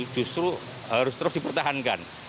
justru harus terus dipertahankan